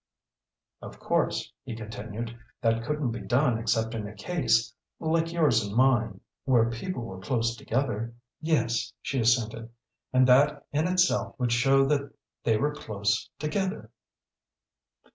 "Of course," he continued, "that couldn't be done except in a case, like yours and mine, where people were close together." "Yes," she assented, "and that in itself would show that they were close together."